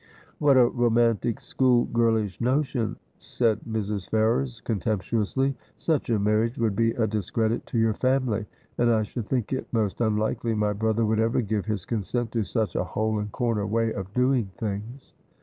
' What a romantic schoolgirlish notion !' said Mrs. Ferrers contemptuously. 'Such a marriage would be a discredit to your family ; and I should think it most unlikely my brother would ever give his consent to such a hole and corner way of doing things.'